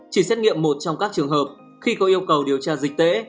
chỉ xét nghiệm một trong các trường hợp khi có yêu cầu điều tra dịch tễ